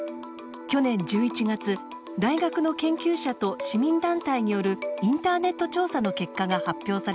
去年１１月大学の研究者と市民団体によるインターネット調査の結果が発表されました。